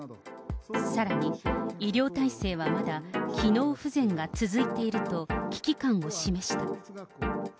さらに、医療体制はまだ機能不全が続いていると、危機感を示した。